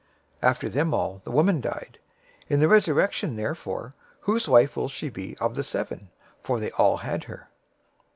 022:027 After them all, the woman died. 022:028 In the resurrection therefore, whose wife will she be of the seven? For they all had her."